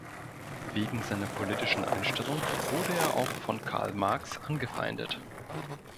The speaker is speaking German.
Wegen seiner politischen Einstellung wurde er auch von Karl Marx angefeindet.